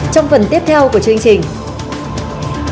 trong phần tiếp theo của chương trình